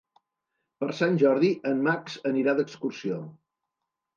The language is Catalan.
Per Sant Jordi en Max anirà d'excursió.